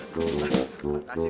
gue nggak kasih dukungan gue